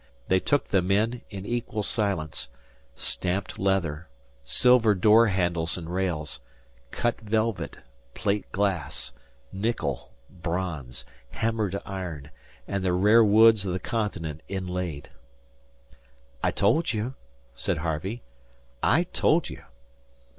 They took them in in equal silence stamped leather, silver door handles and rails, cut velvet, plate glass, nickel, bronze, hammered iron, and the rare woods of the continent inlaid. "I told you," said Harvey; "I told you."